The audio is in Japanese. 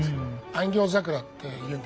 「安行桜」っていうんです。